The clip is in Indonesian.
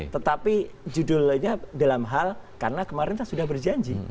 tetapi judulnya dalam hal karena kemarin sudah berjanji